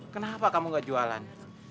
kenapa kamu gak jualan